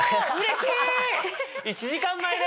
１時間前！